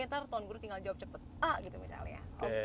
nanti tuan guru tinggal jawab cepat a gitu misalnya